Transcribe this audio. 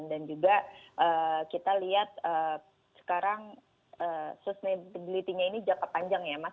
dan juga kita lihat sekarang sustainability nya ini jangka panjang ya mas